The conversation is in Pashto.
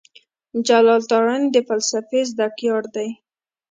جلال تارڼ د فلسفې زده کړيال دی.